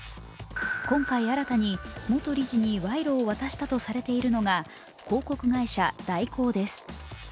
今回、新たに元理事に賄賂を渡したとされているのが広告会社・大広です。